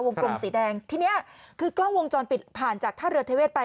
กลมสีแดงที่เนี้ยคือกล้องวงจรปิดผ่านจากท่าเรือเทเวศไป